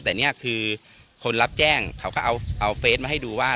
แต่นี่คือคนรับแจ้งเขาก็เอาเฟสมาให้ดูว่า